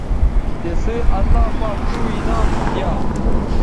تسئ اللہ پاک دو انعام دی یا